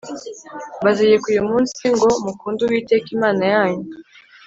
mbategeka uyu munsi ngo mukunde Uwiteka Imana yanyu